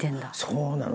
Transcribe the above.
「そうなの。